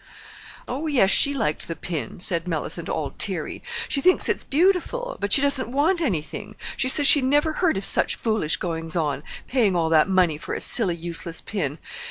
"'Oh, yes, she liked the pin,' said Mellicent, all teary; 'she thinks it's beautiful. But she doesn't want anything. She says she never heard of such foolish goings on—paying all that money for a silly, useless pin.